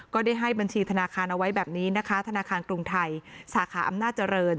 ได้ให้บัญชีธนาคารเอาไว้แบบนี้นะคะธนาคารกรุงไทยสาขาอำนาจเจริญ